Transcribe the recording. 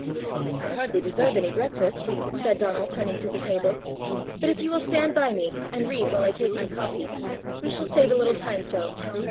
"I hardly deserve any breakfast!" said Donal, turning to the table; "but if you will stand by me, and read while I take my coffee, we shall save a little time so."